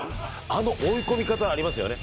あの追い込み方ありますよね